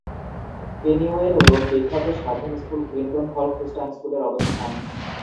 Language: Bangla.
পেনীওয়েল রোড বিখ্যাত স্বাধীন স্কুল গ্রিন্ডন হল খ্রিস্টান স্কুলের অবস্থান।